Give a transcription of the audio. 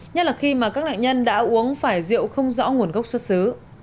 nhất là khi mà các nạn nhân đã uống phải rượu không rõ nguồn gốc xuất xứ